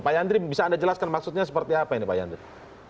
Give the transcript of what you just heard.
pak yandri bisa anda jelaskan maksudnya seperti apa ini pak yandri